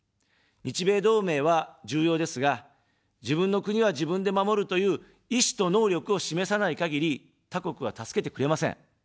日米同盟は重要ですが、自分の国は自分で守るという意志と能力を示さないかぎり、他国は助けてくれません。